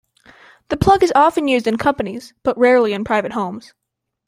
The plug is often used in companies, but rarely in private homes.